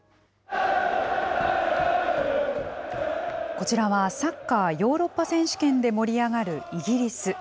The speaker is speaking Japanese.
こちらは、サッカーヨーロッパ選手権で盛り上がるイギリス。